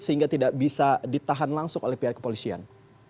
sehingga tidak bisa ditahan langsung oleh pihak kepolisian